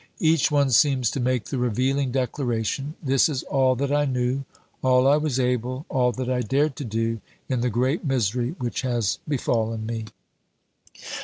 Each one seems to make the revealing declaration, "This is all that I knew, all I was able, all that I dared to do in the great misery which has befallen me."